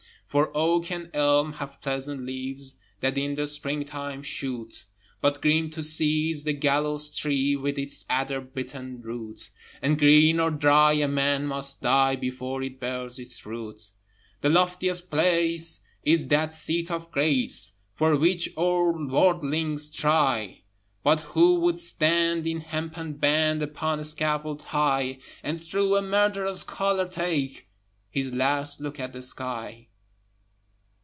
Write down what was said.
For oak and elm have pleasant leaves That in the spring time shoot: But grim to see is the gallows tree, With its adder bitten root, And, green or dry, a man must die Before it bears its fruit! The loftiest place is that seat of grace For which all worldlings try: But who would stand in hempen band Upon a scaffold high, And through a murderer's collar take His last look at the sky?